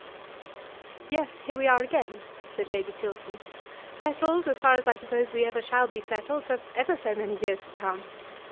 "Yes, here we are again," said Lady Chiltern, "settled, as far as I suppose we ever shall be settled, for ever so many years to come.